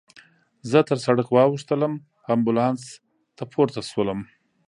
زه تر سړک واوښتم، امبولانس ته ورپورته شوم.